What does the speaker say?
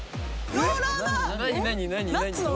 ローラーだ！